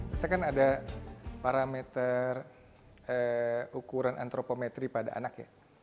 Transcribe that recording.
kita kan ada parameter ukuran antropometri pada anak ya